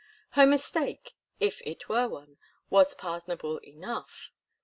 Her mistake, if it were one, was pardonable enough.